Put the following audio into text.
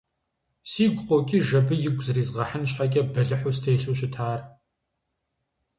Сигу къокӀыж абы игу зризгъэхьын щхьэкӀэ бэлыхьу стелъу щытар.